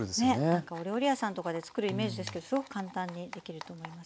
なんかお料理屋さんとかで作るイメージですけどすごく簡単にできると思います。